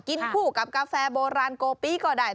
กินผู้กับกาแฟโบราณโกปี้ก็ได้